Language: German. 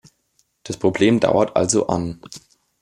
Das Problem dauert also an.